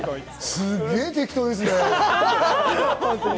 すげぇ適当ですね。